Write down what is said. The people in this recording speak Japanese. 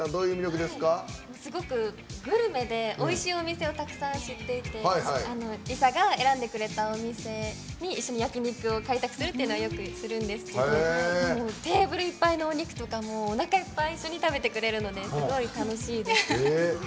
すごくグルメでおいしいお店をたくさん知っていて理佐が選んでくれたお店に一緒に焼き肉を開拓するのよくするんですけどテーブルいっぱいのお肉とかおなかいっぱい一緒に食べてくれるのですごい楽しいです。